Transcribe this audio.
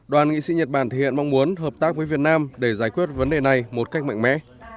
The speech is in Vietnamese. đoàn nghị sĩ nhật bản thể hiện mong muốn hợp tác với việt nam để giải quyết vấn đề này một cách mạnh mẽ